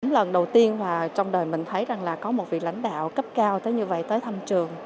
lần đầu tiên mà trong đời mình thấy rằng là có một vị lãnh đạo cấp cao tới như vậy tới thăm trường